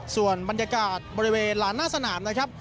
ส่วนบรรยากาศบริเวณหลานหน้าสนามนะครับ